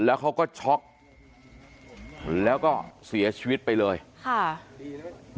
แล้วเขาก็ช็อกแล้วก็เสียชีวิตไปเลยค่ะ